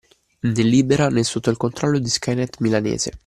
Né libera, né sotto il controllo di Skynet Milanese.